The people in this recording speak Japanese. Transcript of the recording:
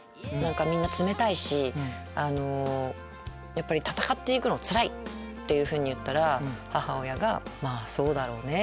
みんな冷たいしやっぱり戦っていくのつらいっていうふうに言ったら母親が「まぁそうだろうね。